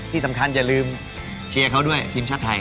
ที่สำคัญอย่าลืมเชียร์เขาด้วยทีมชาติไทย